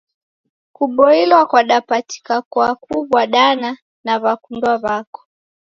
Kuboilwa kwadapatika kwa kuw'adana na w'akundwa w'ako.